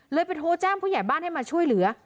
ไปโทรแจ้งผู้ใหญ่บ้านให้มาช่วยเหลือ